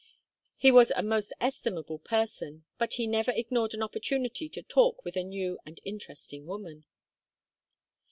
He was a most estimable person, but he never ignored an opportunity to talk with a new and interesting woman.